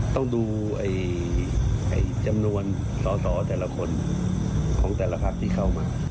ต้องดูจำนวนสอสอแต่ละคนของแต่ละพักที่เข้ามา